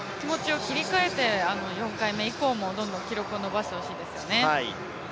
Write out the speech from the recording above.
気持ちを切り替えて、４回目以降もどんどん記録を伸ばしてほしいですよね。